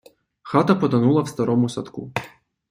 Хата потонула в старому садку.